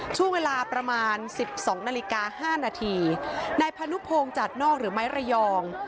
ช่วงเวลาประมาณ๑๒นาฬิกา๕นาทีในพนุภงจากนอกหรือไม้ระยอง